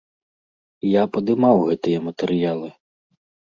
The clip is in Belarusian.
Я падымаў гэтыя матэрыялы.